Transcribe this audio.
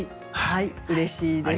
うれしいです。